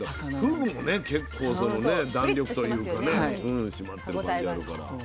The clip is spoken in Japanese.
ふぐもね結構弾力というかね締まってる感じがあるから。